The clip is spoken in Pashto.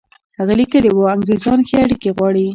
هغه لیکلي وو انګرېزان ښې اړیکې غواړي.